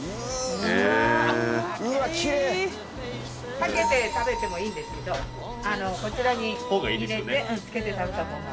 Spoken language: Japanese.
かけて食べてもいいですけどこちらに入れてつけて食べたほうが。